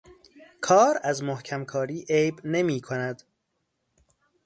کار از محکم کاری عیب نمی کند